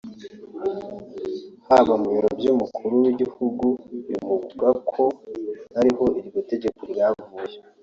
Haba mu biro vy’Umukuru w’Igihugu bivugwako ariho iryo tegeko ryavuye